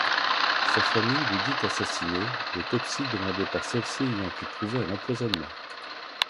Sa famille le dit assassiné, l'autopsie demandée par celle-ci ayant pu prouver un empoisonnement.